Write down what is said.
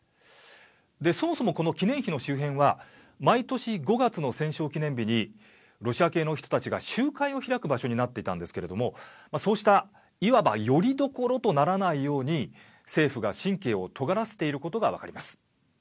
で、そもそもこの記念碑の周辺は毎年５月の戦勝記念日にロシア系の人たちが集会を開く場所になっていたんですけれどもそうしたいわばよりどころとならないように政府が神経をとがらせていることが分かります。